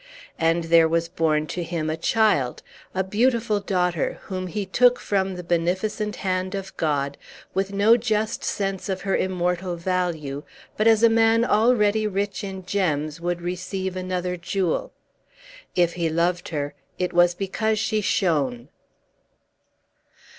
And there was born to him a child, a beautiful daughter, whom he took from the beneficent hand of God with no just sense of her immortal value, but as a man already rich in gems would receive another jewel. If he loved her, it was because she shone.